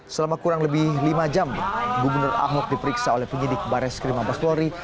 selama kurang lebih lima jam gubernur ahok diperiksa oleh penyidik barai skrim abespori